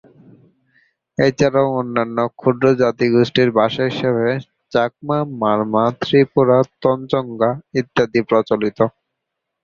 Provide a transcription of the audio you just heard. এছাড়াও অন্যান্য ক্ষুদ্র জাতিগোষ্ঠীর ভাষা হিসেবে চাকমা, মারমা, ত্রিপুরা, তঞ্চঙ্গ্যা ইত্যাদি প্রচলিত।